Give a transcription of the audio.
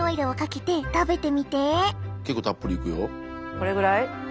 これぐらい？